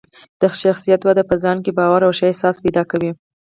د شخصیت وده په ځان کې باور او ښه احساس پیدا کوي.